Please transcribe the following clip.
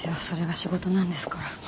それが仕事なんですから。